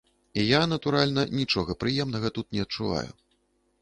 І я, натуральна, нічога прыемнага тут не адчуваю.